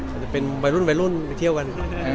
ก่อนครั้งรุ่นไปรุ่นเพื่อก็จะมาเที่ยวกัน